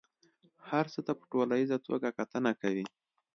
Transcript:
هر څه ته په ټوليزه توګه کتنه کوي.